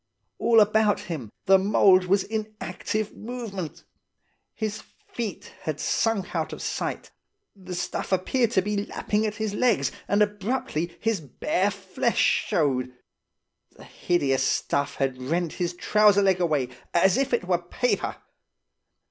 All about him the mould was in active movement. His feet had sunk out of sight. The stuff appeared to be lapping at his legs and abruptly his bare flesh showed. The hideous stuff had rent his trouser leg away as if it were paper.